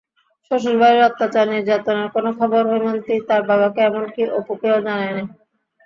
শ্বশুরবাড়ির অত্যাচার-নির্যাতনের কোনো খবর হৈমন্তী তার বাবাকে, এমনকি অপুকেও জানায় না।